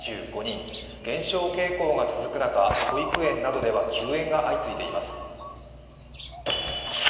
減少傾向が続く中、保育園などでは休園が相次いでいます。